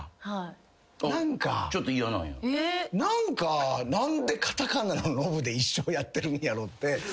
何か何でカタカナのノブで一生やってるんやろうって。